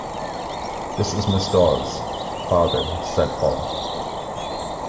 “This is Mrs. Dawes, father,” said Paul.